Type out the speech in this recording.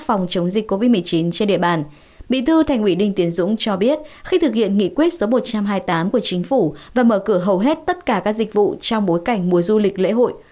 ông dũng cho biết khi thực hiện nghị quyết số một trăm hai mươi tám của chính phủ và mở cửa hầu hết tất cả các dịch vụ trong bối cảnh mùa du lịch lễ hội